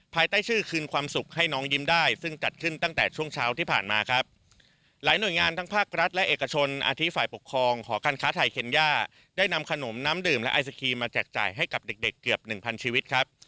ภายใต้ชื่อคืนความสุขให้น้องยิ้มได้ซึ่งจัดขึ้นตั้งแต่ช่วงเช้าที่ผ่านมาครับหลายหน่วยงานทั้งภาครัฐและเอกชนอาทิตยฝ่ายปกครองหอการค้าไทยเคนย่าได้นำขนมน้ำดื่มและไอศครีมมาแจกจ่ายให้กับเด็กเด็กเกือบหนึ่งพันชีวิตครับ